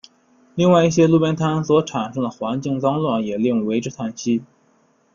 另外一些路边摊所产生的环境脏乱也令为之叹息。